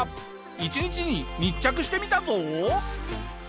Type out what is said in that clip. １日に密着してみたぞ！